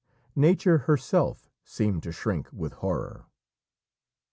Nature herself seemed to shrink with horror.